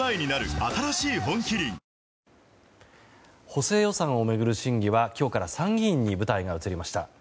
補正予算を巡る審議は今日から参議院に舞台が移りました。